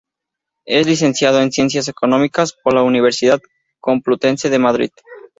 Es Licenciado en Ciencias Económicas por la Universidad Complutense de Madrid.